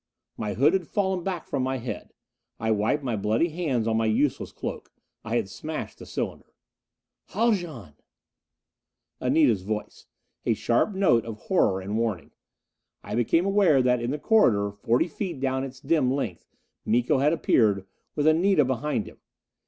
My hood had fallen back from my head. I wiped my bloody hands on my useless cloak. I had smashed the cylinder. "Haljan!" Anita's voice! A sharp note of horror and warning. I became aware that in the corridor, forty feet down its dim length, Miko had appeared, with Anita behind him.